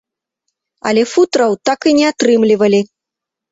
Але футраў так і не атрымлівалі.